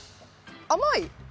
甘い。